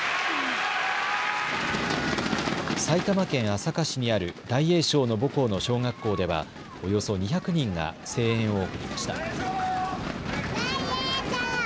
埼玉県朝霞市にある大栄翔の母校の小学校ではおよそ２００人が声援を送りました。